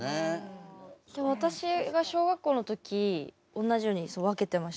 私が小学校の時おんなじように分けてました。